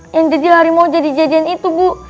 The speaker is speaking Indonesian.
yang jadilah hari mau jadi jadian itu bu